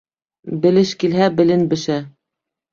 Белеш килһә, белен бешә.